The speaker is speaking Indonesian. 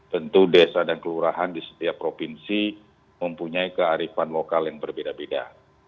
tentu desa dan kelurahan di setiap provinsi mempunyai kearifan lokal yang berbeda beda